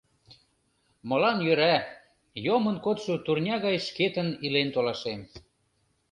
Молан йӧра, йомын кодшо турня гай шкетын илен толашем.